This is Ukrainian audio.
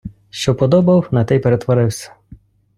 Що вподобав, на те й перетворився.